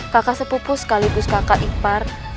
kakak sepupu sekaligus kakak ipar